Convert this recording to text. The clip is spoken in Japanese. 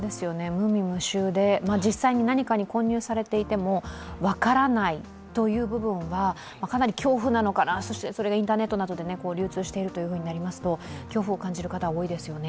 無味無臭で、実際に何かに混入されていても分からないという部分はかなり恐怖なのかな、それがインターネットなどで流通しているとなりますと恐怖を感じる方は多いですよね。